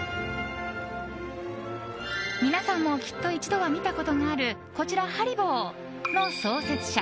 皆さんもきっと一度は見たことがあるこちら、ＨＡＲＩＢＯの創設者